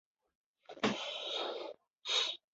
短序棘豆为豆科棘豆属下的一个种。